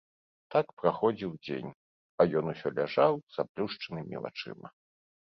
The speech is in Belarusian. Так праходзіў дзень, а ён усё ляжаў з заплюшчанымі вачыма.